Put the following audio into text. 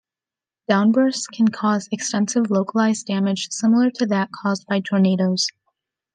Downbursts can cause extensive localized damage, similar to that caused by tornadoes.